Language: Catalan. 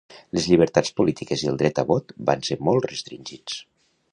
Les llibertats polítiques i el dret a vot van ser molt restringits.